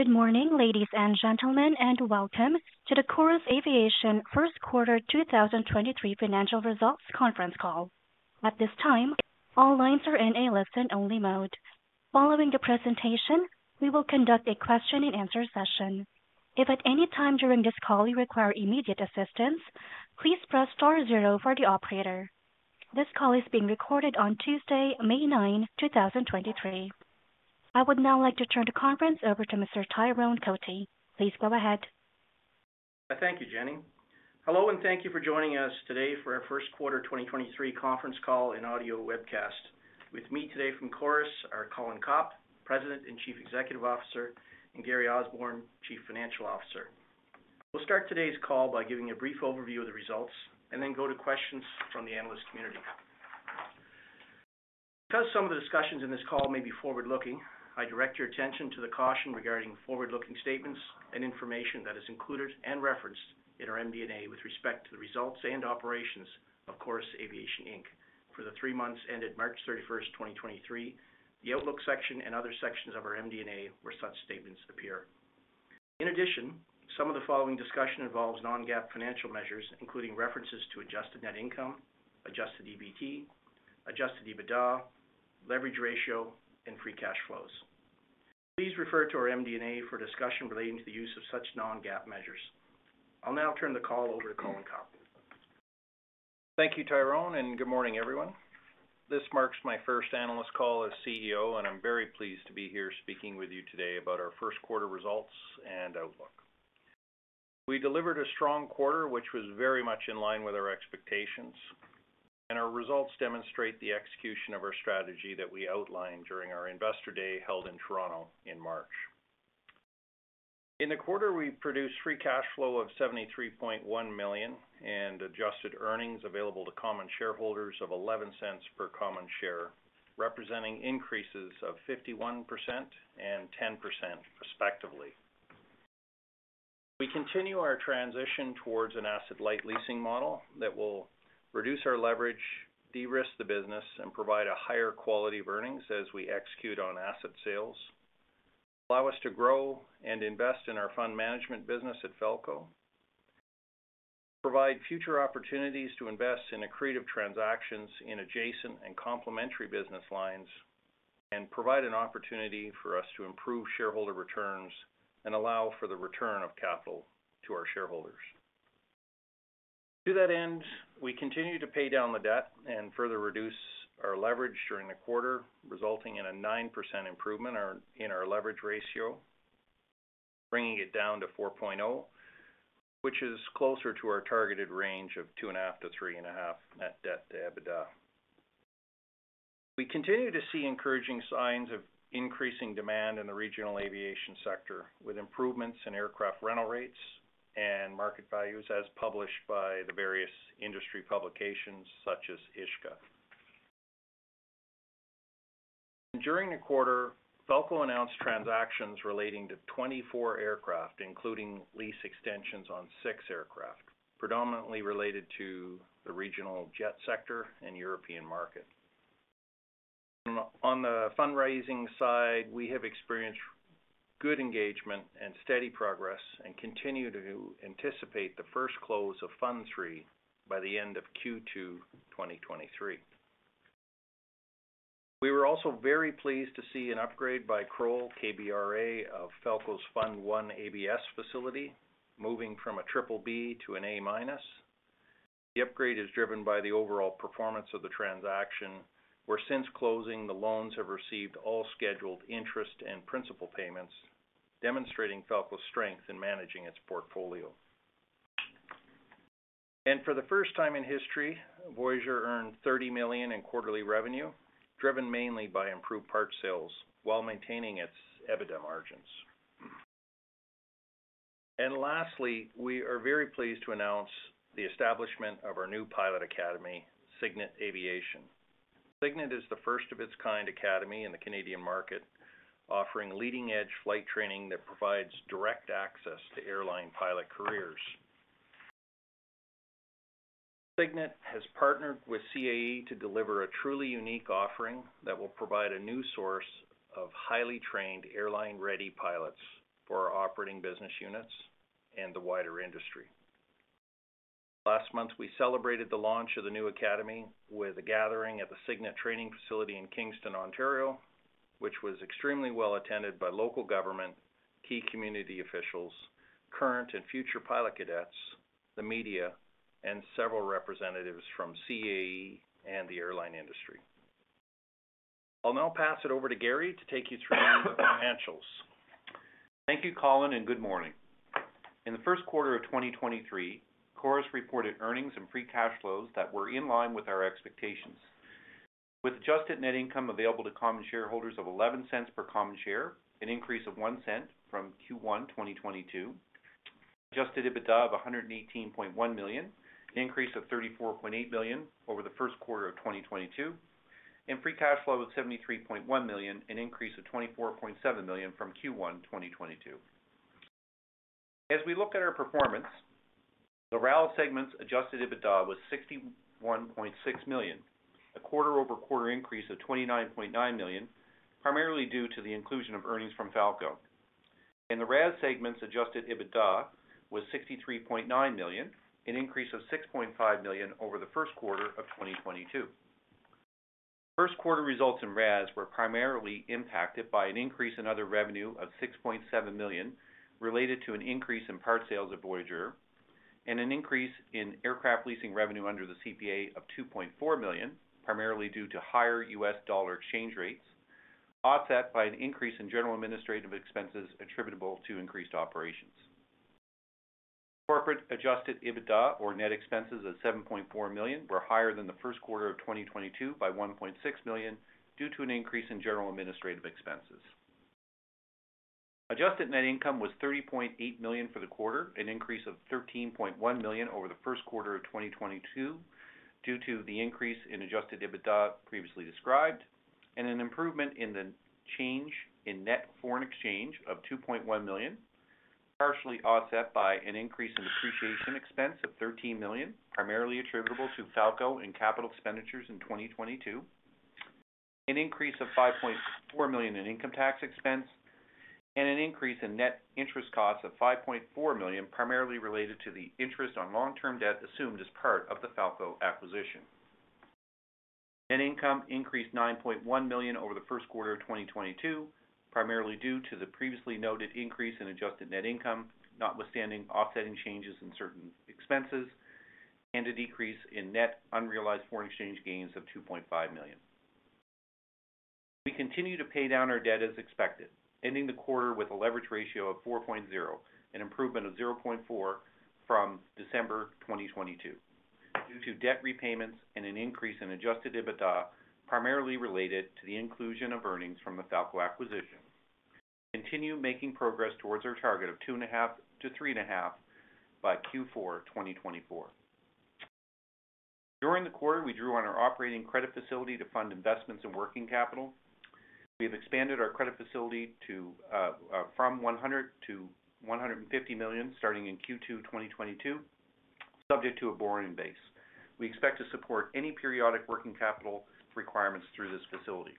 Good morning, ladies and gentlemen. Welcome to the Chorus Aviation First Quarter 2023 Financial Results Conference Call. At this time, all lines are in a listen-only mode. Following the presentation, we will conduct a question-and-answer session. If at any time during this call you require immediate assistance, please press star 0 for the operator. This call is being recorded on Tuesday, May 9, 2023. I would now like to turn the conference over to Mr. Tyrone Cotie. Please go ahead. Thank you, Jenny. Hello, and thank you for joining us today for our first quarter 2023 conference call and audio webcast. With me today from Chorus are Colin Copp, President and Chief Executive Officer, and Gary Osborne, Chief Financial Officer. We'll start today's call by giving a brief overview of the results and then go to questions from the analyst community. Because some of the discussions in this call may be forward-looking, I direct your attention to the caution regarding forward-looking statements and information that is included and referenced in our MD&A with respect to the results and operations of Chorus Aviation Inc. For the three months ended March 31, 2023, the Outlook section and other sections of our MD&A where such statements appear. In addition, some of the following discussion involves non-GAAP financial measures, including references to Adjusted Net Income, Adjusted EBT, Adjusted EBITDA, Leverage Ratio, and Free Cash Flow. Please refer to our MD&A for discussion relating to the use of such non-GAAP measures. I'll now turn the call over to Colin Copp. Thank you, Tyrone. Good morning, everyone. This marks my first analyst call as CEO. I'm very pleased to be here speaking with you today about our first quarter results and outlook. We delivered a strong quarter, which was very much in line with our expectations. Our results demonstrate the execution of our strategy that we outlined during our Investor Day held in Toronto in March. In the quarter, we produced Free Cash Flow of 73.1 million and Adjusted earnings available to common shareholders of 0.11 per common share, representing increases of 51% and 10% respectively. We continue our transition towards an asset light leasing model that will reduce our leverage, de-risk the business, and provide a higher quality of earnings as we execute on asset sales, allow us to grow and invest in our fund management business at Falko, provide future opportunities to invest in accretive transactions in adjacent and complementary business lines, and provide an opportunity for us to improve shareholder returns and allow for the return of capital to our shareholders. To that end, we continue to pay down the debt and further reduce our leverage during the quarter, resulting in a 9% improvement in our Leverage Ratio, bringing it down to 4.0, which is closer to our targeted range of 2.5-3.5 net debt to EBITDA. We continue to see encouraging signs of increasing demand in the regional aviation sector with improvements in aircraft rental rates and market values as published by the various industry publications such as Ishka. During the quarter, Falko announced transactions relating to 24 aircraft, including lease extensions on six aircraft, predominantly related to the regional jet sector and European market. On the fundraising side, we have experienced good engagement and steady progress and continue to anticipate the first close of Fund III by the end of Q2, 2023. We were also very pleased to see an upgrade by Kroll KBRA of Falko's Fund I ABS facility, moving from a BBB to an A-minus. The upgrade is driven by the overall performance of the transaction, where since closing, the loans have received all scheduled interest and principal payments, demonstrating Falko's strength in managing its portfolio. For the first time in history, Voyageur earned 30 million in quarterly revenue, driven mainly by improved parts sales while maintaining its EBITDA margins. Lastly, we are very pleased to announce the establishment of our new pilot academy, Cygnet Aviation. Cygnet is the first of its kind academy in the Canadian market, offering leading-edge flight training that provides direct access to airline pilot careers. Cygnet has partnered with CAE to deliver a truly unique offering that will provide a new source of highly trained airline-ready pilots for our operating business units and the wider industry. Last month, we celebrated the launch of the new academy with a gathering at the Cygnet training facility in Kingston, Ontario, which was extremely well attended by local government, key community officials, current and future pilot cadets, the media, and several representatives from CAE and the airline industry. I'll now pass it over to Gary to take you through the financials. Thank you, Colin. Good morning. In the first quarter of 2023, Chorus reported earnings and Free Cash Flow that were in line with our expectations. With Adjusted Net Income available to common shareholders of 0.11 per common share, an increase of 0.01 from Q1 2022, Adjusted EBITDA of 118.1 million, an increase of 34.8 million over the first quarter of 2022, and Free Cash Flow of 73.1 million, an increase of 24.7 million from Q1 2022. As we look at our performance, the RAL segment's Adjusted EBITDA was 61.6 million, a quarter-over-quarter increase of 29.9 million, primarily due to the inclusion of earnings from Falko. In the RAS segment's Adjusted EBITDA was 63.9 million, an increase of 6.5 million over the first quarter of 2022. First quarter results in RAS were primarily impacted by an increase in other revenue of 6.7 million related to an increase in part sales at Voyageur and an increase in aircraft leasing revenue under the CPA of 2.4 million, primarily due to higher US dollar exchange rates, offset by an increase in general administrative expenses attributable to increased operations. Corporate Adjusted EBITDA or net expenses of 7.4 million were higher than the first quarter of 2022 by 1.6 million due to an increase in general administrative expenses. Adjusted Net Income was 30.8 million for the quarter, an increase of 13.1 million over the first quarter of 2022 due to the increase in Adjusted EBITDA previously described and an improvement in the change in net foreign exchange of 2.1 million, partially offset by an increase in appreciation expense of 13 million, primarily attributable to Falko and capital expenditures in 2022. An increase of 5.4 million in income tax expense and an increase in net interest costs of 5.4 million, primarily related to the interest on long-term debt assumed as part of the Falko acquisition. Net income increased 9.1 million over the first quarter of 2022, primarily due to the previously noted increase in Adjusted Net Income, notwithstanding offsetting changes in certain expenses and a decrease in net unrealized foreign exchange gains of 2.5 million. We continue to pay down our debt as expected, ending the quarter with a Leverage Ratio of 4.0, an improvement of 0.4 from December 2022 due to debt repayments and an increase in Adjusted EBITDA, primarily related to the inclusion of earnings from the Falko acquisition. We continue making progress towards our target of 2.5-3.5 by Q4 2024. During the quarter, we drew on our operating credit facility to fund investments in working capital. We have expanded our credit facility from 100 million to 150 million starting in Q2 2022, subject to a borrowing base. We expect to support any periodic working capital requirements through this facility.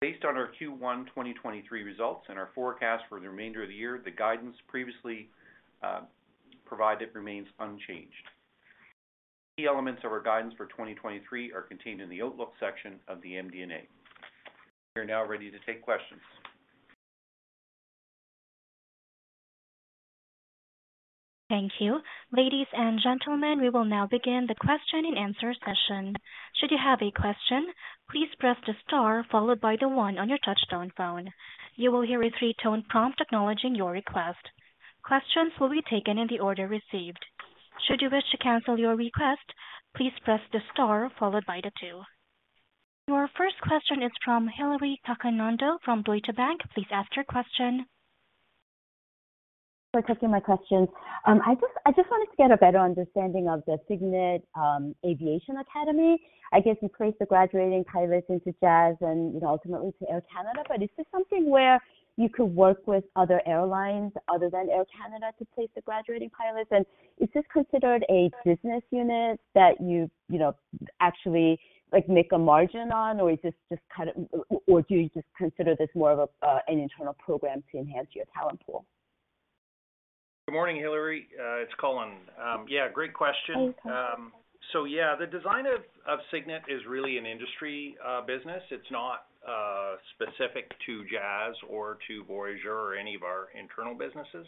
Based on our Q1 2023 results and our forecast for the remainder of the year, the guidance previously provided remains unchanged. Key elements of our guidance for 2023 are contained in the outlook section of the MD&A. We are now ready to take questions. Thank you. Ladies and gentlemen, we will now begin the question and answer session. Should you have a question, please press the star followed by the one on your touchtone phone. You will hear a three-tone prompt acknowledging your request. Questions will be taken in the order received. Should you wish to cancel your request, please press the star followed by the two. Your first question is from Hilary Cacanando from Deutsche Bank. Please ask your question. For taking my questions. I just wanted to get a better understanding of the Cygnet Aviation Academy. I guess you place the graduating pilots into Jazz and, you know, ultimately to Air Canada. Is this something where you could work with other airlines other than Air Canada to place the graduating pilots? Is this considered a business unit that you know, actually, like, make a margin on? Or do you just consider this more of an internal program to enhance your talent pool? Good morning, Hilary. It's Colin. Yeah, great question. Okay. Yeah, the design of Cygnet is really an industry business. It's not specific to Jazz or to Voyageur or any of our internal businesses.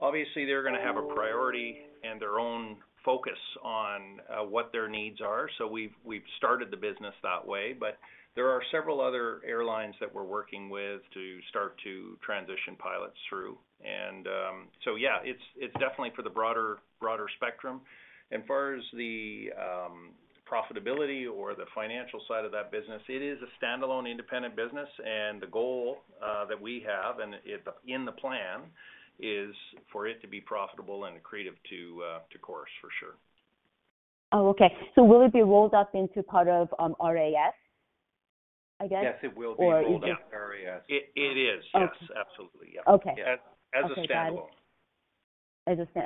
Obviously, they're gonna have a priority and their own focus on what their needs are. We've started the business that way, but there are several other airlines that we're working with to start to transition pilots through. Yeah, it's definitely for the broader spectrum. Far as the profitability or the financial side of that business, it is a standalone independent business, and the goal that we have in the plan is for it to be profitable and accretive to Chorus for sure. Oh, okay. will it be rolled up into part of, RAS, I guess? Yes, it will. Is it...? Yeah. It is. Okay. Yes, absolutely, yeah. Okay. As a standalone.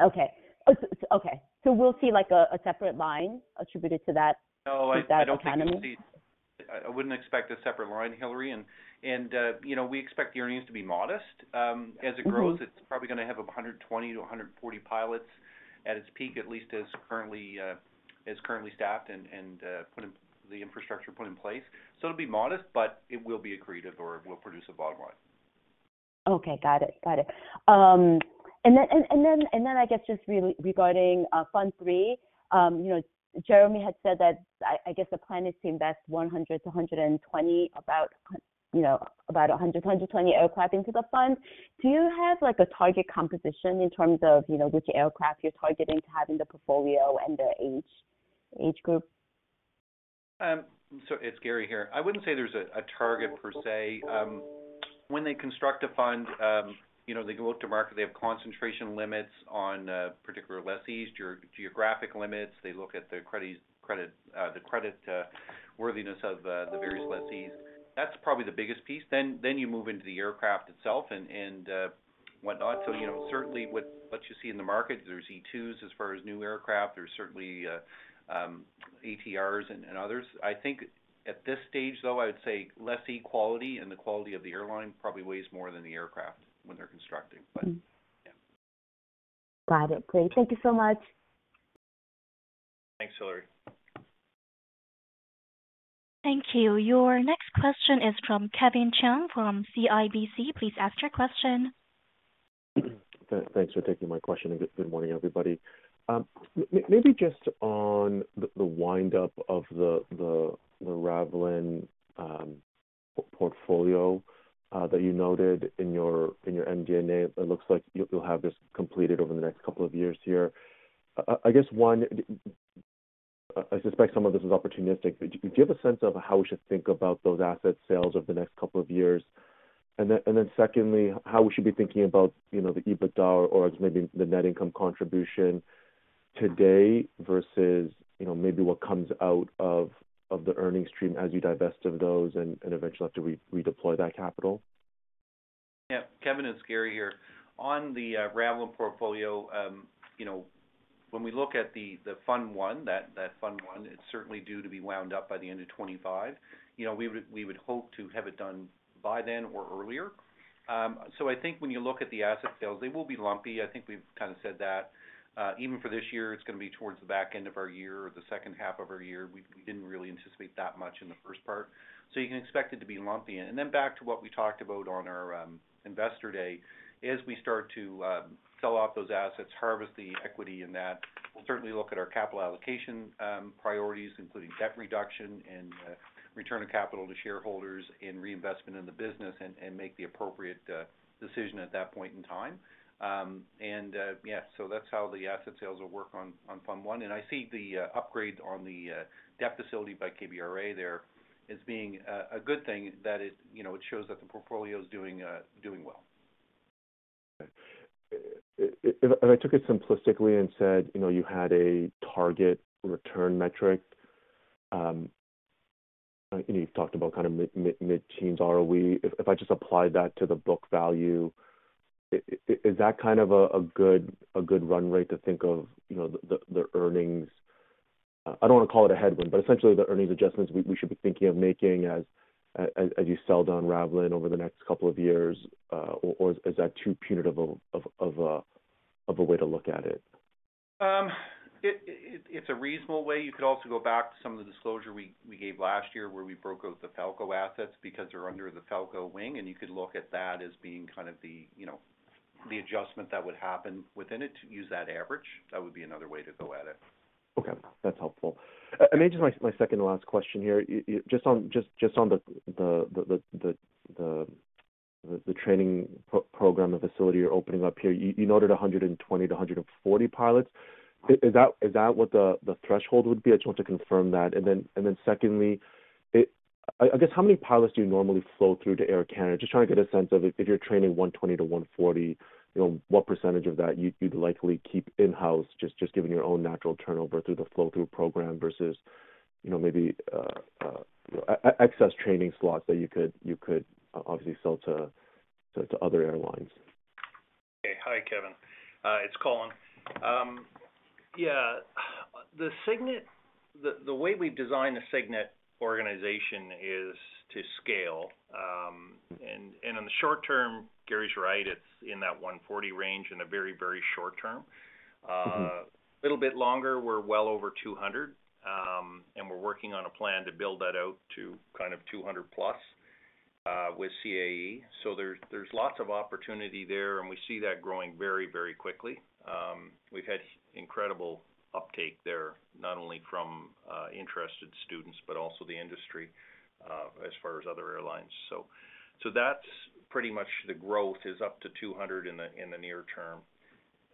Okay. Okay. We'll see a separate line attributed to that. No, I don't think you'll. To that academy. I wouldn't expect a separate line, Hilary. You know, we expect the earnings to be modest as it grows. Mm-hmm. It's probably gonna have 120-140 pilots at its peak, at least as currently staffed and put in the infrastructure put in place. It'll be modest, but it will be accretive or it will produce a bottom line. Got it. Got it. I guess just regarding Fund III, Gary had said that I guess the plan is to invest 100-120 aircraft into the fund. Do you have like a target composition in terms of, you know, which aircraft you're targeting to have in the portfolio and the age group? It's Gary here. I wouldn't say there's a target per say. When they construct a fund, you know, they go to market. They have concentration limits on particular lessees, geo-geographic limits. They look at the credit worthiness of the various lessees. That's probably the biggest piece. You move into the aircraft itself and whatnot. You know, certainly with what you see in the market, there's E2s as far as new aircraft, there's certainly ATRs and others. I think at this stage though, I would say less equality and the quality of the airline probably weighs more than the aircraft when they're constructing. Yeah. Got it. Great. Thank you so much. Thanks, Hillary. Thank you. Your next question is from Kevin Chiang from CIBC. Please ask your question. Thanks for taking my question and good morning, everybody. Maybe just on the wind up of the Ravelin portfolio that you noted in your MD&A. It looks like you'll have this completed over the next couple of years here. I guess, one, I suspect some of this is opportunistic. Do you have a sense of how we should think about those asset sales over the next couple of years? Then secondly, how we should be thinking about the EBITDA or maybe the net income contribution today versus maybe what comes out of the earnings stream as you divest of those and eventually have to redeploy that capital? Yeah. Kevin, it's Gary here. On the Ravelin portfolio, you know, when we look at the Fund I, that Fund I, it's certainly due to be wound up by the end of 25. You know, we would hope to have it done by then or earlier. I think when you look at the asset sales, they will be lumpy. I think we've kind of said that, even for this year, it's gonna be towards the back end of our year or the second half of our year. We didn't really anticipate that much in the first part. You can expect it to be lumpy. Back to what we talked about on our Investor Day. As we start to sell off those assets, harvest the equity in that, we'll certainly look at our capital allocation priorities, including debt reduction and return of capital to shareholders and reinvestment in the business and make the appropriate decision at that point in time. Yeah, so that's how the asset sales will work on Fund I. I see the upgrade on the debt facility by KBRA there as being a good thing that it shows that the portfolio is doing well. If I took it simplistically and said had a target return metric, and you've talked about kind of mid-teens ROE, if I just apply that to the book value, is that kind of a good run rate to think of the earnings? I don't want to call it a headwind, but essentially the earnings adjustments we should be thinking of making as you sell down Ravelin over the next couple of years, or is that too punitive of a way to look at it? It's a reasonable way. You could also go back to some of the disclosure we gave last year where we broke out the Falko assets because they're under the Falko wing. You could look at that as being kind of the, you know, the adjustment that would happen within it to use that average. That would be another way to go at it. Okay. That's helpful. Maybe just my second to last question here. Just on the training program, the facility you're opening up here. You, you noted 120 to 140 pilots. Is that, is that what the threshold would be? I just want to confirm that. Then secondly, I guess how many pilots do you normally flow through to Air Canada? Just trying to get a sense of if you're training 120 to 140, you know, what percentage of that you'd likely keep in-house just given your own natural turnover through the flow through program versus, you know, maybe excess training slots that you could, you could obviously sell to other airlines. Hi, Kevin. It's Colin. Yeah, the Cygnet, the way we design the Cygnet organization is to scale. In the short term, Gary's right. It's in that 140 range in a very, very short term. A little bit longer, we're well over 200, and we're working on a plan to build that out to kind of 200 plus with CAE. There's lots of opportunity there, and we see that growing very, very quickly. We've had incredible uptake there, not only from interested students, but also the industry as far as other airlines. That's pretty much the growth is up to 200 in the near term.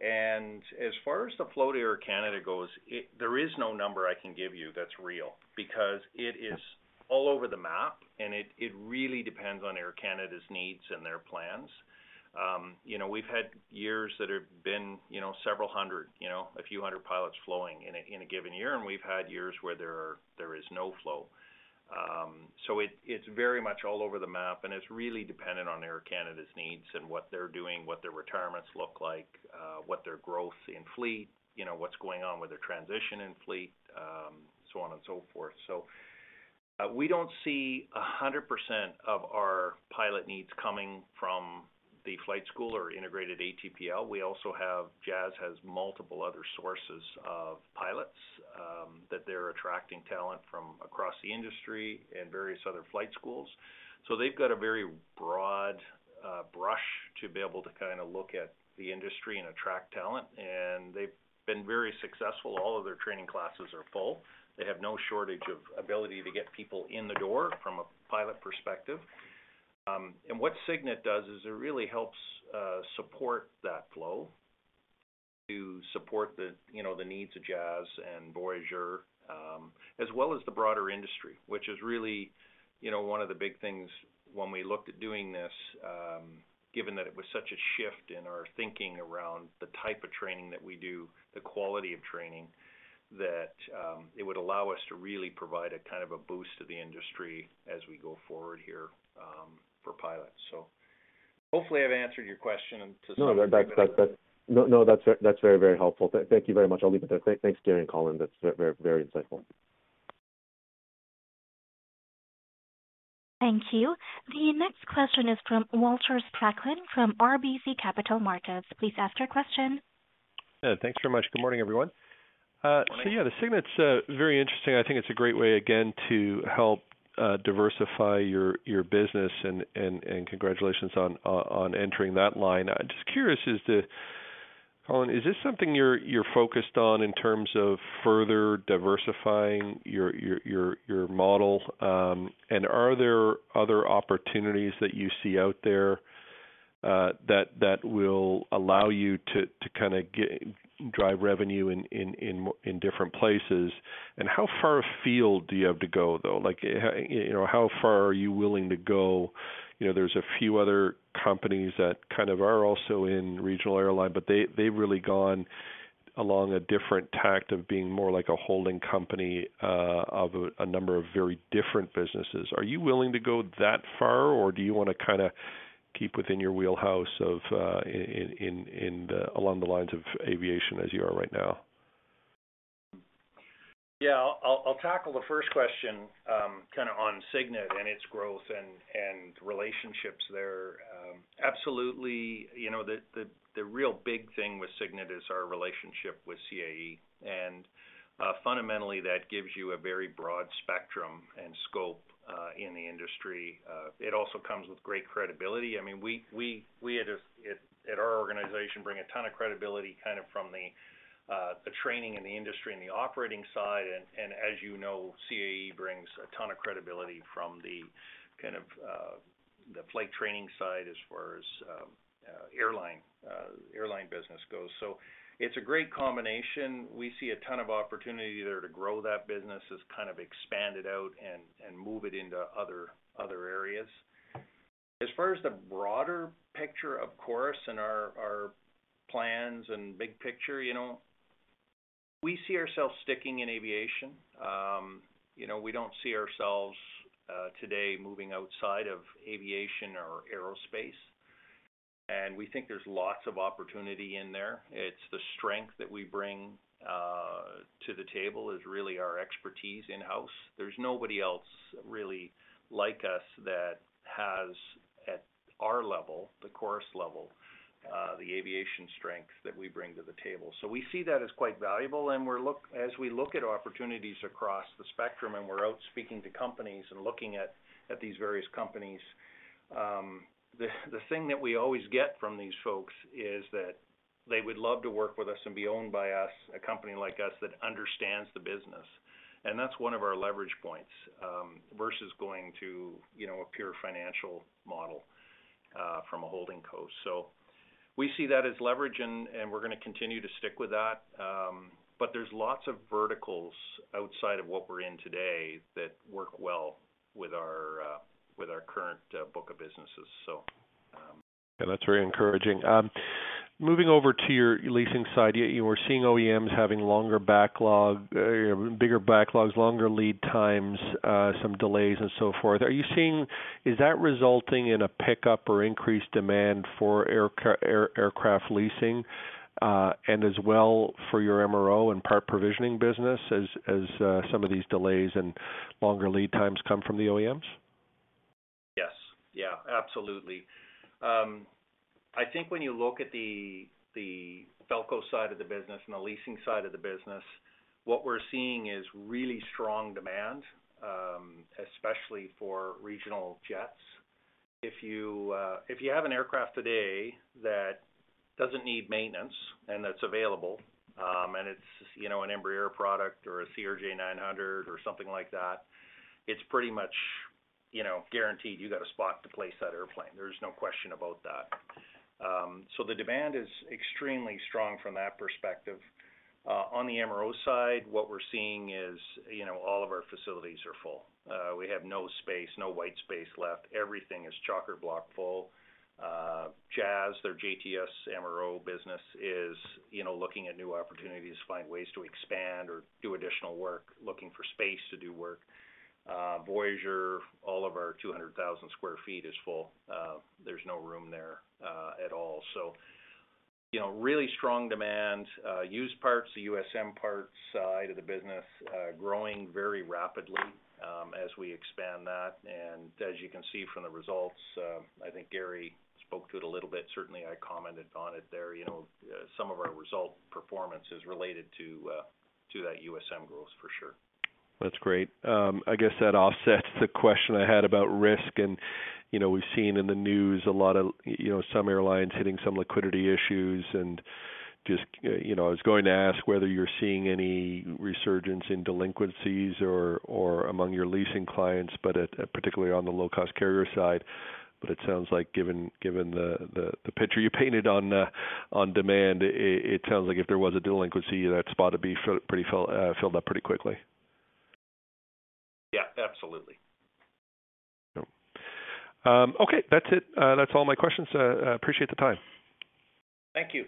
As far as the flow to Air Canada goes, there is no number I can give you that's real because it is all over the map, and it really depends on Air Canada's needs and their plans. You know, we've had years that have been, you know, several hundred, you know, a few hundred pilots flowing in a given year, and we've had years where there is no flow. So it's very much all over the map, and it's really dependent on Air Canada's needs and what they're doing, what their retirements look like, what their growth in fleet, you know, what's going on with their transition in fleet, so on and so forth. We don't see 100% of our pilot needs coming from the flight school or integrated ATPL. We also have Jazz has multiple other sources of pilots that they're attracting talent from across the industry and various other flight schools. They've got a very broad brush to be able to kind of look at the industry and attract talent. They've been very successful. All of their training classes are full. They have no shortage of ability to get people in the door from a pilot perspective. What Cygnet does is it really helps support that flow to support the, you know, the needs of Jazz and Voyageur, as well as the broader industry, which is really, you know, one of the big things when we looked at doing this, given that it was such a shift in our thinking around the type of training that we do, the quality of training, that, it would allow us to really provide a kind of a boost to the industry as we go forward here, for pilots. Hopefully I've answered your question and to some degree- No, that's very, very helpful. Thank you very much. I'll leave it there. Thanks, Gary and Colin. That's very, very insightful. Thank you. The next question is from Walter Spracklin from RBC Capital Markets. Please ask your question. Yeah, thanks very much. Good morning, everyone. Morning. Yeah, the Cygnet's very interesting. I think it's a great way again to help diversify your business and congratulations on entering that line. I'm just curious as to, Colin, is this something you're focused on in terms of further diversifying your model? Are there other opportunities that you see out there that will allow you to kinda get drive revenue in different places? And how far afield do you have to go, though? Like how far are you willing to go? There's a few other companies that kind of are also in regional airline, but they've really gone along a different tack of being more like a holding company of a number of very different businesses. Are you willing to go that far, or do you wanna kinda keep within your wheelhouse of along the lines of aviation as you are right now? Yeah, I'll tackle the first question, kinda on Cygnet and its growth and relationships there. Absolutely, you know, the real big thing with Cygnet is our relationship with CAE. Fundamentally, that gives you a very broad spectrum and scope in the industry. It also comes with great credibility. I mean, we at our organization bring a ton of credibility, kind of from the training and the industry and the operating side. As you know, CAE brings a ton of credibility from the kind of the flight training side as far as airline business goes. It's a great combination. We see a ton of opportunity there to grow that business, just kind of expand it out and move it into other areas. As far as the broader picture, of course, and our plans and big picture, you know, we see ourselves sticking in aviation. You know, we don't see ourselves today moving outside of aviation or aerospace, and we think there's lots of opportunity in there. It's the strength that we bring to the table, is really our expertise in-house. There's nobody else really like us that has, at our level, the Chorus level, the aviation strength that we bring to the table. We see that as quite valuable, as we look at opportunities across the spectrum, and we're out speaking to companies and looking at these various companies, the thing that we always get from these folks is that they would love to work with us and be owned by us, a company like us that understands the business. That's one of our leverage points versus going to, you know, a pure financial model from a holding co. We see that as leverage and we're gonna continue to stick with that. There's lots of verticals outside of what we're in today that work well with our with our current book of businesses, so. Yeah, that's very encouraging. Moving over to your leasing side, you were seeing OEMs having longer backlog, bigger backlogs, longer lead times, some delays and so forth. Is that resulting in a pickup or increased demand for aircraft leasing, and as well for your MRO and part provisioning business as some of these delays and longer lead times come from the OEMs? Yes. Yeah, absolutely. I think when you look at the Falko side of the business and the leasing side of the business, what we're seeing is really strong demand, especially for regional jets. If you have an aircraft today that doesn't need maintenance and that's available, and it's an Embraer product or a CRJ900 or something like that, it's pretty much guaranteed you got a spot to place that airplane. There's no question about that. The demand is extremely strong from that perspective. On the MRO side, what we're seeing is, you know, all of our facilities are full. We have no space, no white space left. Everything is chock-a-block full. Jazz, their JTS MRO business is, you know, looking at new opportunities to find ways to expand or do additional work, looking for space to do work. Voyageur, all of our 200,000 sq ft is full. There's no room there at all. You know, really strong demand. Used parts, the USM parts side of the business, growing very rapidly, as we expand that. As you can see from the results, I think Gary spoke to it a little bit, certainly I commented on it there, you know, some of our result performance is related to that USM growth for sure. That's great. I guess that offsets the question I had about risk. You know, we've seen in the news a lot of, you know, some airlines hitting some liquidity issues. You know, I was going to ask whether you're seeing any resurgence in delinquencies or among your leasing clients, but particularly on the low-cost carrier side. It sounds like given the picture you painted on demand, it sounds like if there was a delinquency, that spot would be pretty filled up quickly. Yeah, absolutely. Yep. Okay. That's it. That's all my questions. I appreciate the time. Thank you.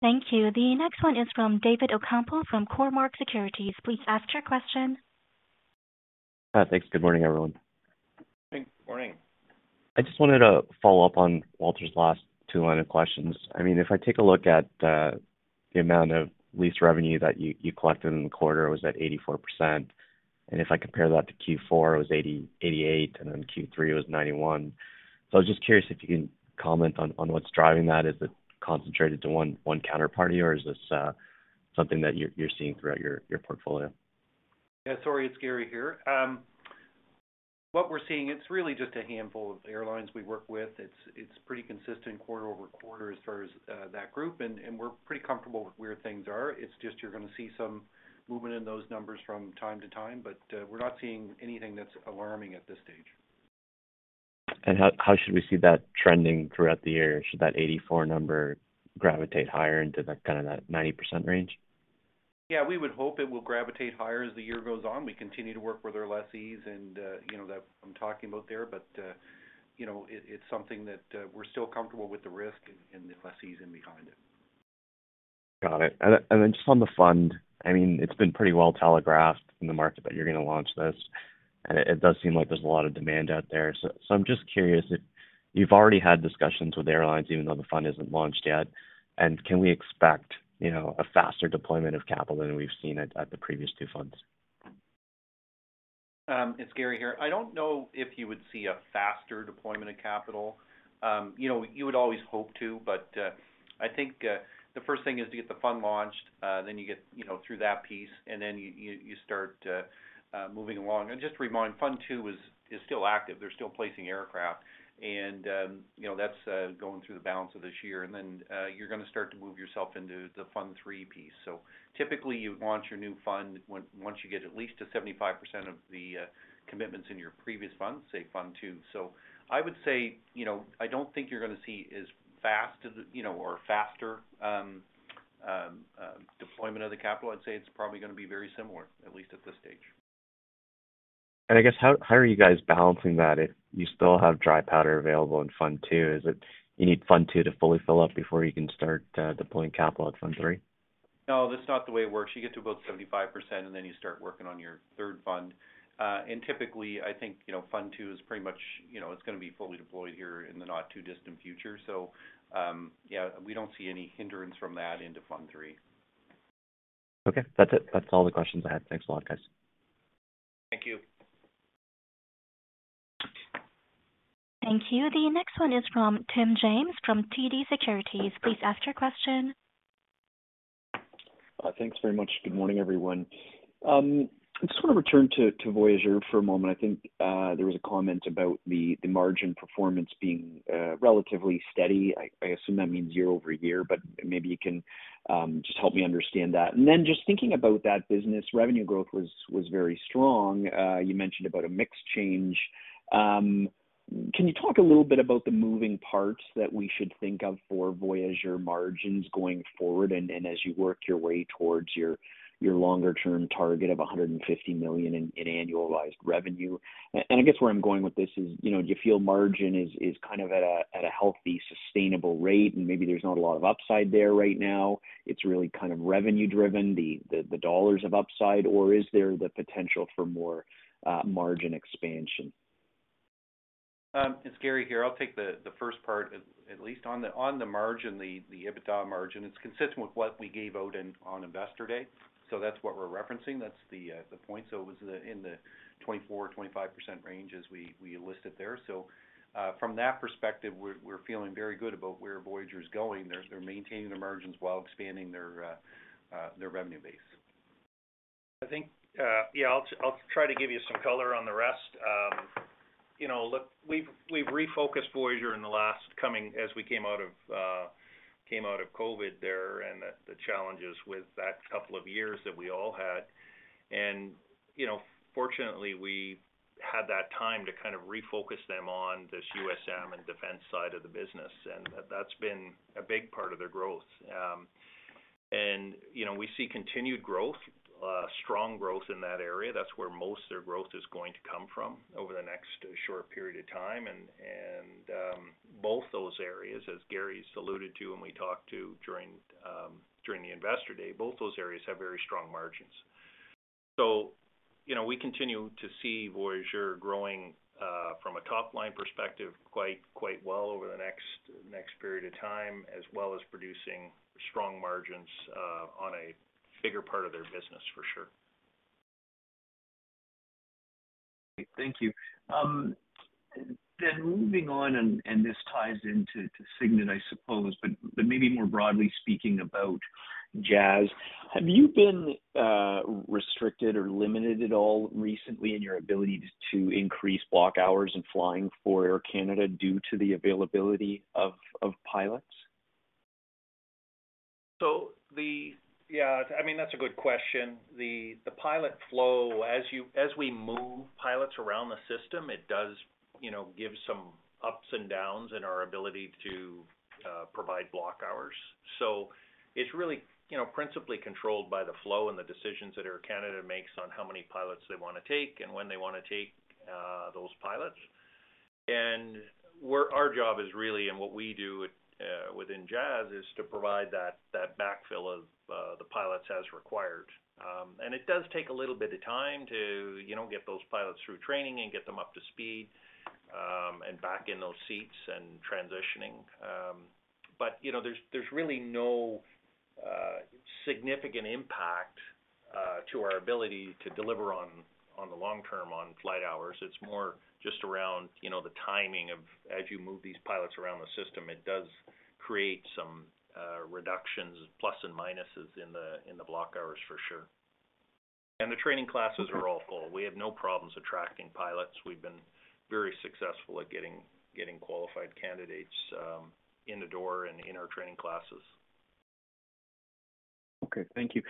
Thank you. The next one is from David Ocampo from Cormark Securities. Please ask your question. Thanks. Good morning, everyone. Good morning. I just wanted to follow up on Walter's last two line of questions. I mean, if I take a look at the amount of lease revenue that you collected in the quarter was at 84%, and if I compare that to Q4, it was 88, and then Q3 was 91. I was just curious if you can comment on what's driving that. Is it concentrated to one counterparty, or is this something that you're seeing throughout your portfolio? Yeah. Sorry, it's Gary here. What we're seeing, it's really just a handful of airlines we work with. It's pretty consistent quarter-over-quarter as far as that group, and we're pretty comfortable with where things are. It's just you're gonna see some movement in those numbers from time to time, but we're not seeing anything that's alarming at this stage. How should we see that trending throughout the year? Should that 84 number gravitate higher into that kinda that 90% range? Yeah, we would hope it will gravitate higher as the year goes on. We continue to work with our lessees and, you know, that I'm talking about there, but, you know, it's something that we're still comfortable with the risk and the lessees in behind it. Got it. Then just on the fund, I mean, it's been pretty well telegraphed in the market that you're gonna launch this. It does seem like there's a lot of demand out there. I'm just curious if you've already had discussions with airlines even though the fund isn't launched yet, can we expect, you know, a faster deployment of capital than we've seen at the previous two funds? It's Gary here. I don't know if you would see a faster deployment of capital. You know, you would always hope to, but I think the first thing is to get the fund launched, then you get through that piece, and then you start to moving along. Just to remind, Fund II is still active. They're still placing aircraft and, you know, that's going through the balance of this year. Then you're gonna start to move yourself into the Fund III piece. Typically, you launch your new fund once you get at least to 75% of the commitments in your previous fund, say Fund II. I would say, I don't think you're gonna see as fast as, you know, or faster deployment of the capital. I'd say it's probably gonna be very similar, at least at this stage. I guess how are you guys balancing that if you still have dry powder available in Fund II? Is it you need Fund II to fully fill up before you can start deploying capital at Fund III? No, that's not the way it works. You get to about 75%, then you start working on your third Fund. Typically, I think Fund II is pretty much, you know, it's gonna be fully deployed here in the not too distant future. Yeah, we don't see any hindrance from that into Fund III. Okay. That's it. That's all the questions I had. Thanks a lot, guys. Thank you. Thank you. The next one is from Tim James from TD Securities. Please ask your question. Thanks very much. Good morning, everyone. I just wanna return to Voyageur for a moment. I think there was a comment about the margin performance being relatively steady. I assume that means year-over-year, but maybe you can just help me understand that. Just thinking about that business, revenue growth was very strong. You mentioned about a mix change. Can you talk a little bit about the moving parts that we should think of for Voyageur margins going forward and as you work your way towards your longer term target of 150 million in annualized revenue? I guess where I'm going with this is do you feel margin is kind of at a healthy, sustainable rate, maybe there's not a lot of upside there right now? It's really kind of revenue driven, the dollars of upside. Is there the potential for more margin expansion? It's Gary here. I'll take the first part at least. On the margin, the EBITDA margin, it's consistent with what we gave out on Investor Day. That's what we're referencing. That's the point. It was in the 24-25% range as we listed there. From that perspective, we're feeling very good about where Voyageur is going. They're maintaining the margins while expanding their revenue base. I think, yeah, I'll try to give you some color on the rest. Look, we've refocused Voyageur in the last coming as we came out of COVID there and the challenges with that couple of years that we all had. You know, fortunately, we had that time to kind of refocus them on this USM and defense side of the business, and that's been a big part of their growth. You know, we see continued growth, strong growth in that area. That's where most of their growth is going to come from over the next short period of time. Both those areas, as Gary's alluded to when we talked to during the Investor Day, both those areas have very strong margins. You know, we continue to see Voyageur growing, from a top-line perspective quite well over the next period of time, as well as producing strong margins, on a bigger part of their business for sure. Thank you. Moving on, and this ties into Cygnet, I suppose, but maybe more broadly speaking about Jazz. Have you been restricted or limited at all recently in your ability to increase block hours and flying for Air Canada due to the availability of pilots? Yeah, I mean, that's a good question. The pilot flow, as we move pilots around the system, it does, you know, give some ups and downs in our ability to provide block hours. It's really, you know, principally controlled by the flow and the decisions that Air Canada makes on how many pilots they wanna take and when they wanna take those pilots. Where our job is really, and what we do at, within Jazz is to provide that backfill of the pilots as required. It does take a little bit of time to get those pilots through training and get them up to speed, and back in those seats and transitioning. You know, there's really no significant impact to our ability to deliver on the long term on flight hours. It's more just around, you know, the timing of as you move these pilots around the system, it does create some reductions, plus and minuses in the block hours for sure. The training classes are all full. We have no problems attracting pilots. We've been very successful at getting qualified candidates in the door and in our training classes. Okay. Thank you.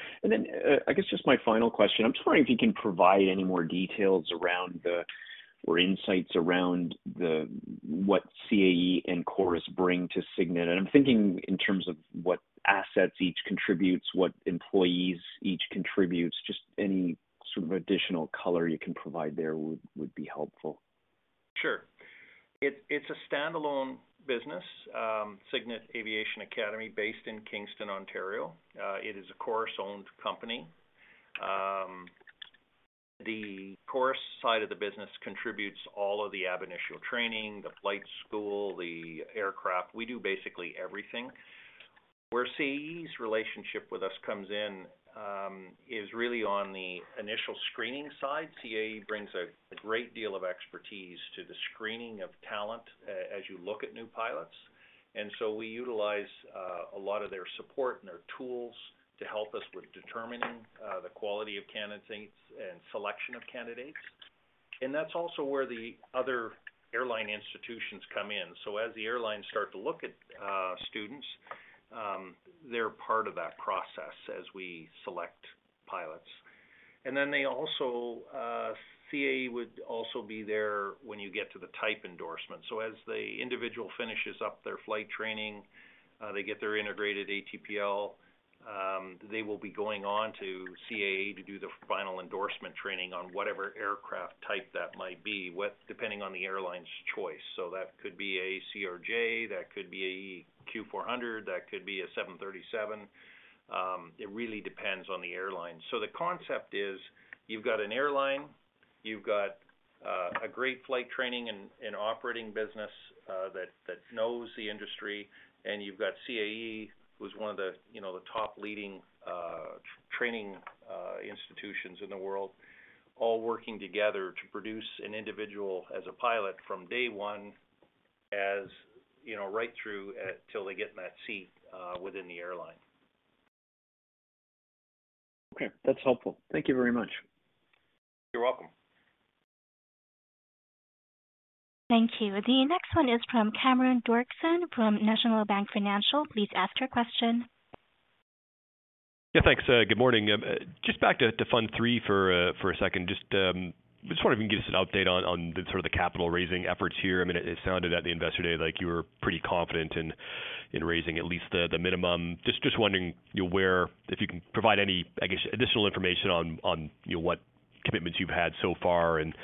I guess just my final question, I'm just wondering if you can provide any more details or insights around the, what CAE and Chorus bring to Cygnet. I'm thinking in terms of what assets each contributes, what employees each contributes. Just any sort of additional color you can provide there would be helpful. Sure. It's a standalone business, Cygnet Aviation Academy based in Kingston, Ontario. It is a Chorus-owned company. The Chorus side of the business contributes all of the ab initio training, the flight school, the aircraft. We do basically everything. Where CAE's relationship with us comes in, is really on the initial screening side. CAE brings a great deal of expertise to the screening of talent as you look at new pilots. We utilize a lot of their support and their tools to help us with determining the quality of candidates and selection of candidates. That's also where the other airline institutions come in. As the airlines start to look at students, they're part of that process as we select pilots. They also, CAE would also be there when you get to the type rating. As the individual finishes up their flight training, they get their integrated ATPL, they will be going on to CAE to do the final endorsement training on whatever aircraft type that might be depending on the airline's choice. That could be a CRJ, that could be a Q400, that could be a 737. It really depends on the airline. The concept is you've got an airline, you've got a great flight training and operating business that knows the industry, and you've got CAE, who's one of the, you know, the top leading training institutions in the world, all working together to produce an individual as a pilot from day one, as right through till they get in that seat within the airline. Okay. That's helpful. Thank you very much. You're welcome. Thank you. The next one is from Cameron Doerksen from National Bank Financial. Please ask your question. Yeah, thanks. Good morning. Just back to Fund III for a second. Just wondering if you can give us an update on the sort of the capital raising efforts here. I mean, it sounded at the Investor Day like you were pretty confident in raising at least the minimum. Just wondering, if you can provide any additional information on what commitments you've had so far and,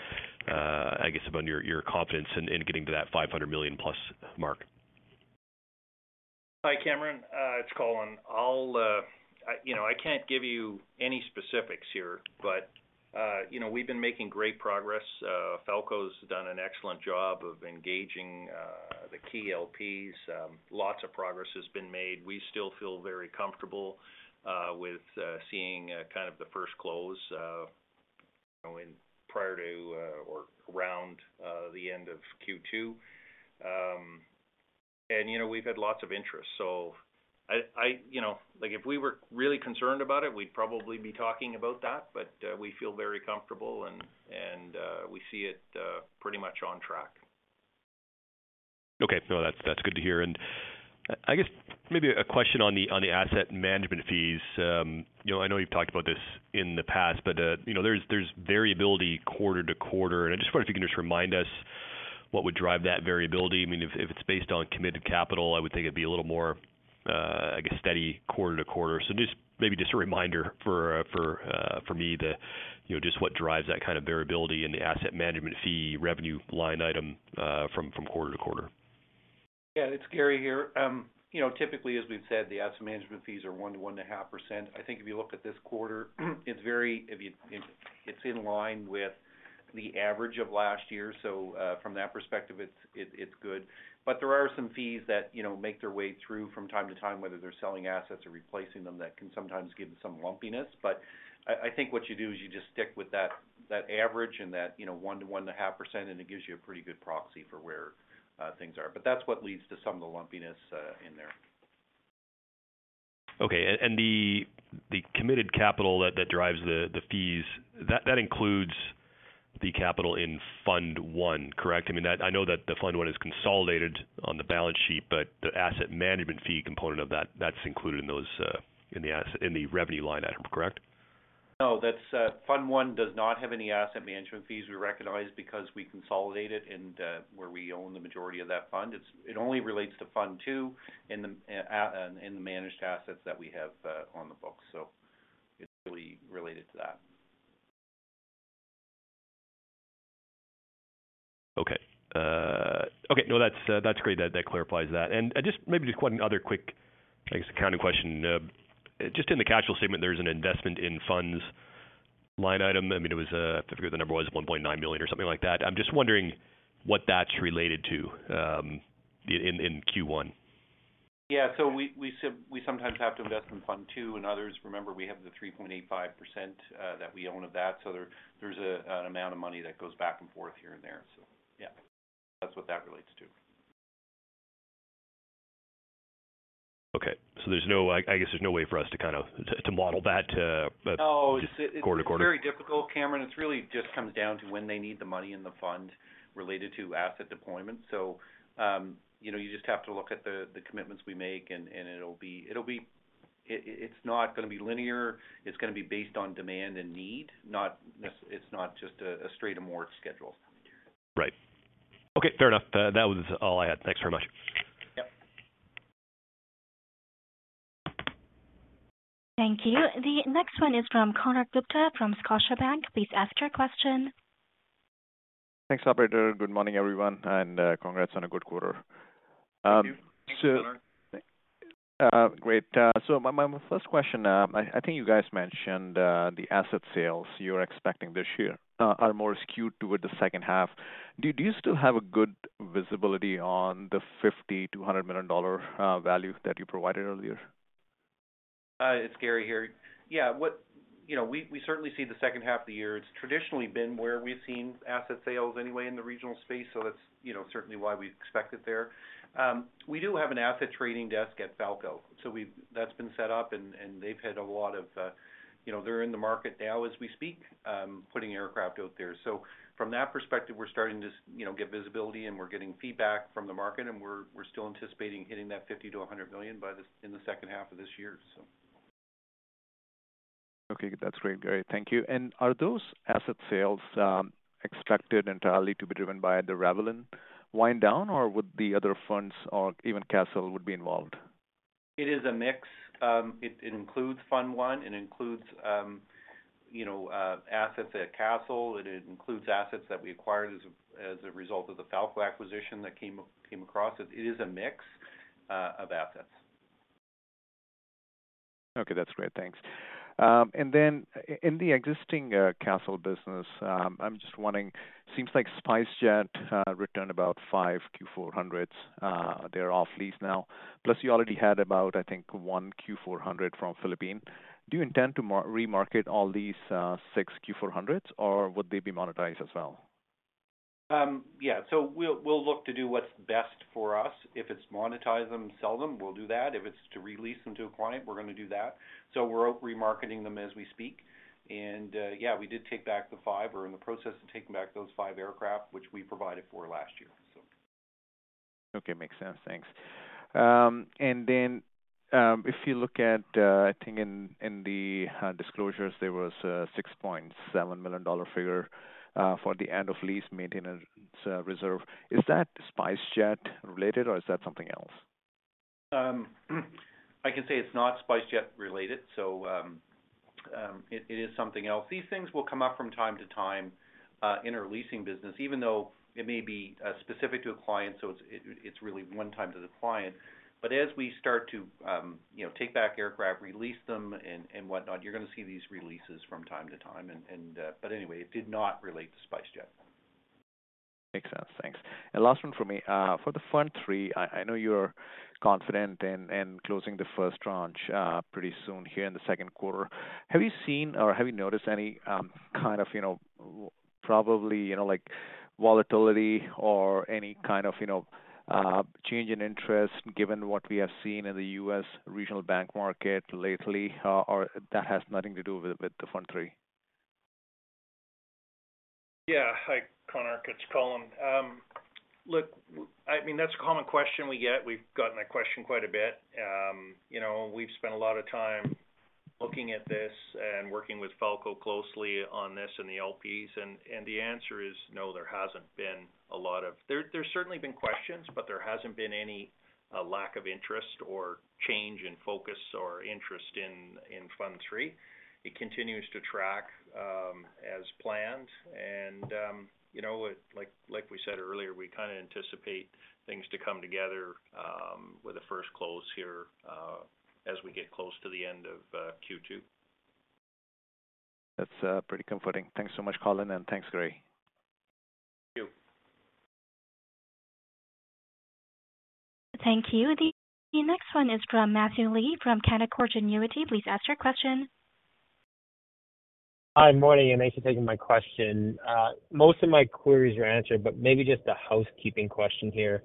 I guess, about your confidence in getting to that 500 million-plus mark. Hi, Cameron. It's Colin. You know, I can't give you any specifics here. You know, we've been making great progress. Falko's done an excellent job of engaging the key LPs. Lots of progress has been made. We still feel very comfortable with seeing kind of the first close, you know, prior to or around the end of Q2. We've had lots of interest. You know, like if we were really concerned about it, we'd probably be talking about that. We feel very comfortable and, we see it pretty much on track. Okay. No, that's good to hear. I guess maybe a question on the asset management fees. You know, I know you've talked about this in the past, but, you know, there's variability quarter to quarter. I just wonder if you can just remind us what would drive that variability. I mean, if it's based on committed capital, I would think it'd be a little more, I guess, steady quarter to quarter. Maybe just a reminder for me. You know, just what drives that kind of variability in the asset management fee revenue line item from quarter to quarter. Yeah, it's Gary here. you know, typically, as we've said, the asset management fees are 1% to 1.5%. I think if you look at this quarter, it's in line with the average of last year. From that perspective, it's good. There are some fees that, you know, make their way through from time to time, whether they're selling assets or replacing them, that can sometimes give some lumpiness. I think what you do is you just stick with that average and that, you know, 1% to 1.5%, and it gives you a pretty good proxy for where things are. That's what leads to some of the lumpiness in there. Okay. The committed capital that drives the fees, that includes the capital in Fund I, correct? I mean, I know that the Fund I is consolidated on the balance sheet, but the asset management fee component of that's included in those in the revenue line item, correct? No, that's, Fund I does not have any asset management fees we recognize because we consolidate it and, where we own the majority of that fund. It only relates to Fund II and managed assets that we have, on the books. It's really related to that. Okay. Okay, no, that's great. That clarifies that. Just maybe just one other quick, I guess, accounting question. Just in the casual statement, there's an investment in funds line item. I mean, I forget what the number was, 1.9 million or something like that. I'm just wondering what that's related to in Q1. Yeah. We sometimes have to invest in Fund II and others. Remember, we have the 3.85% that we own of that. There's an amount of money that goes back and forth here and there. Yeah, that's what that relates to. Okay. I guess there's no way for us to kind of, to model that. No. Just quarter-to-quarter. It's very difficult, Cameron. It's really just comes down to when they need the money in the fund related to asset deployment. You know, you just have to look at the commitments we make and it'll be. It's not gonna be linear. It's gonna be based on demand and need, not it's not just a straight amort schedule. Right. Okay, fair enough. That was all I had. Thanks very much. Yep. Thank you. The next one is from Konark Gupta from Scotiabank. Please ask your question. Thanks, operator. Good morning, everyone, and congrats on a good quarter. Thank you. So- Thanks, Connor. Great. My first question. I think you guys mentioned, the asset sales you're expecting this year, are more skewed toward the second half. Do you still have a good visibility on the 50 million-100 million dollar value that you provided earlier? It's Gary here. You know, we certainly see the second half of the year. It's traditionally been where we've seen asset sales anyway in the regional space, so that's, you know, certainly why we expect it there. We do have an asset trading desk at Falko. That's been set up and they've had a lot of, you know, they're in the market now as we speak, putting aircraft out there. From that perspective, we're starting to, you know, get visibility and we're getting feedback from the market, and we're still anticipating hitting that 50 million-100 million in the second half of this year. Okay. That's great, Gary. Thank you. Are those asset sales, extracted entirely to be driven by the Ravelin wind down, or would the other funds or even Castlelake would be involved? It is a mix. It includes Fund I, it includes, you know, assets at Castlelake, it includes assets that we acquired as a result of the Falko acquisition that came across. It is a mix of assets. Okay, that's great. Thanks. In the existing Castlelake business, I'm just wondering, seems like SpiceJet returned about five Q400s, they're off lease now, plus you already had about, I think one Q400 from Philippine. Do you intend to remarket all these six Q400s or would they be monetized as well? Yeah. We'll, we'll look to do what's best for us. If it's monetize them, sell them, we'll do that. If it's to re-lease them to a client, we're gonna do that. We're out remarketing them as we speak. Yeah, we did take back the five. We're in the process of taking back those five aircraft which we provided for last year. Okay. Makes sense. Thanks. If you look at, I think in the disclosures, there was a 6.7 million dollar figure for the end of lease maintenance reserve. Is that SpiceJet related or is that something else? I can say it's not SpiceJet related, so it is something else. These things will come up from time to time in our leasing business, even though it may be specific to a client, so it's really one time to the client. As we start to, you know, take back aircraft, re-lease them and whatnot, you're gonna see these releases from time to time. Anyway, it did not relate to SpiceJet. Makes sense. Thanks. Last one for me. For the Fund III, I know you're confident in closing the first tranche pretty soon here in the second quarter. Have you seen or have you noticed any, kind of, you know, probably, you know, like volatility or any kind of change in interest given what we have seen in the U.S. regional bank market lately? Or that has nothing to do with the Fund III? Yeah. Hi, Konark. It's Colin. look, I mean, that's a common question we get. We've gotten that question quite a bit. you know, we've spent a lot of time looking at this and working with Falko closely on this and the LPs. The answer is no, there hasn't been a lot of... There's certainly been questions, but there hasn't been any lack of interest or change in focus or interest in Fund III. It continues to track as planned. You know, like we said earlier, we kinda anticipate things to come together with the first close here as we get close to the end of Q2. That's pretty comforting. Thanks so much, Colin. Thanks, Gary. Thank you. Thank you. The next one is from Matthew Lee from Canaccord Genuity. Please ask your question. Hi. Morning, and thanks for taking my question. Most of my queries are answered, but maybe just a housekeeping question here.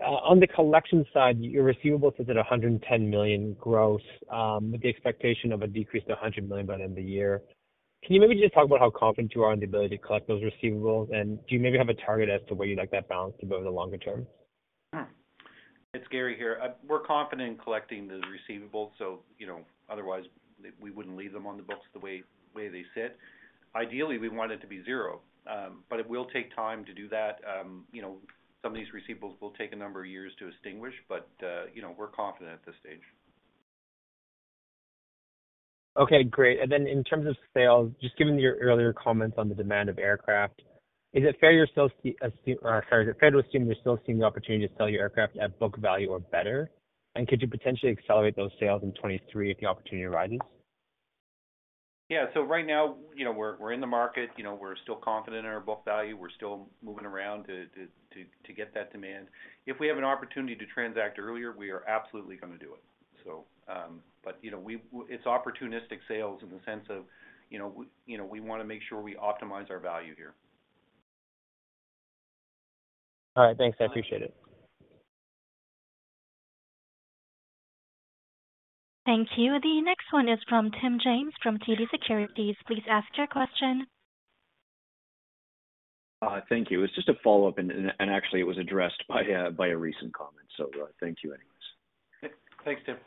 On the collection side, your receivables is at 110 million gross, with the expectation of a decrease to 100 million by the end of the year. Can you maybe just talk about how confident you are on the ability to collect those receivables? Do you maybe have a target as to where you'd like that balance to go in the longer term? It's Gary here. We're confident in collecting the receivables, so, you know, otherwise we wouldn't leave them on the books the way they sit. Ideally, we want it to be zero, but it will take time to do that. You know, some of these receivables will take a number of years to extinguish, you know, we're confident at this stage. Okay, great. In terms of sales, just given your earlier comments on the demand of aircraft, is it fair you're still see or fair to assume you're still seeing the opportunity to sell your aircraft at book value or better? Could you potentially accelerate those sales in 2023 if the opportunity arises? Yeah. Right now, you know, we're in the market, you know, we're still confident in our book value. We're still moving around to get that demand. If we have an opportunity to transact earlier, we are absolutely gonna do it, so. You know, it's opportunistic sales in the sense of, you know, we, you know, we wanna make sure we optimize our value here. All right. Thanks. I appreciate it. Thank you. The next one is from Tim James from TD Securities. Please ask your question. Thank you. It's just a follow-up, and actually it was addressed by a recent comment, so, thank you anyways. Thanks, Tim.